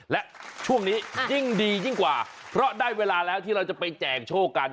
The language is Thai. และช่วงนี้ยิ่งดียิ่งกว่าเพราะได้เวลาแล้วที่เราจะไปแจกโชคกัน